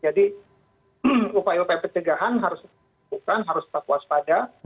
jadi upaya upaya pencegahan harus dihukumkan harus tetap waspada